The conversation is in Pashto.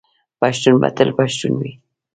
پښتون به تل پښتون وي.